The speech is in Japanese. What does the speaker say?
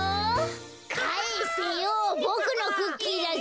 かえせよボクのクッキーだぞ。